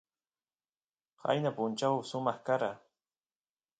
qayna punchaw sumaq kara